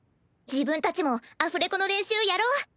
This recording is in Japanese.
自分たちもアフレコの練習やろう。